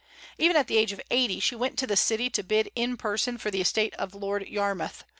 Even at the age of eighty she went to the city to bid in person for the estate of Lord Yarmouth.